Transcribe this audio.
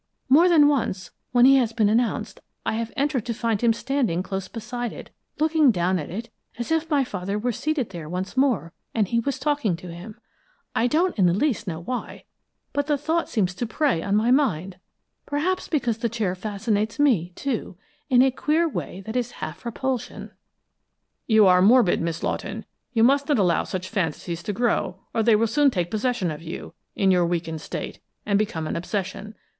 More than once, when he has been announced, I have entered to find him standing close beside it, looking down at it as if my father were seated there once more and he was talking to him, I don't in the least know why, but the thought seems to prey on my mind perhaps because the chair fascinates me, too, in a queer way that is half repulsion." "You are morbid, Miss Lawton you must not allow such fancies to grow, or they will soon take possession of you, in your weakened state, and become an obsession.